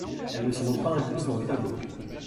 Elles ne sont donc pas incluses dans le tableau.